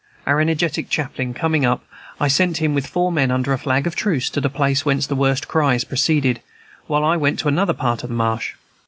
Our energetic chaplain coming up, I sent him with four men, under a flag of truce, to the place whence the worst cries proceeded, while I went to another part of the marsh.